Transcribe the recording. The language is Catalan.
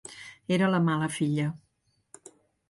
Era la mala filla.